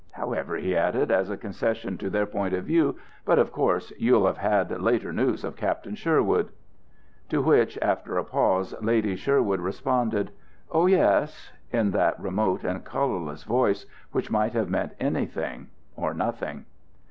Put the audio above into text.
However, he added, as a concession to their point of view, "But of course, you'll have had later news of Captain Sherwood." To which, after a pause, Lady Sherwood responded, "Oh, yes," in that remote and colourless voice which might have meant anything or nothing.